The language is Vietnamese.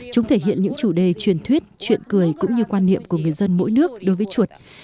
chúng thể hiện những chủ đề truyền thuyết chuyện cười cũng như quan niệm của người dân mỗi nước đối với chuột